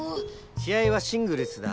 し合はシングルスだ。